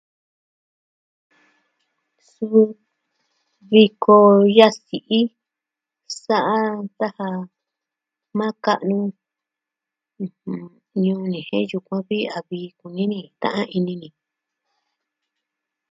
Suu, viko yasi'i sa'a taa ja maa ka'nu. ɨjɨn... ñuu ñeje yukuan vi a vi kunini ta'an ini ni.